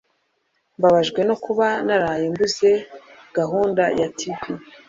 Mbabajwe no kuba naraye mbuze gahunda ya TV.